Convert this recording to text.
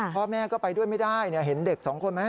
พ่อแม่ก็ไปด้วยไม่ได้เห็นเด็กสองคนไหม